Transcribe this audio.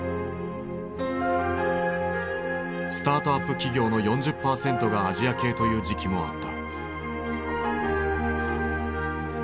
スタートアップ企業の４０％がアジア系という時期もあった。